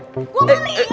gue mau lihat